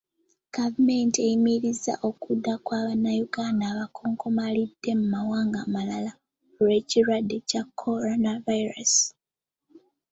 Gavumenti eyimirizza okudda kwa Bannayuganda abakonkomalidde mu mawanga amalala olw'ekirwadde kya Coronavirus.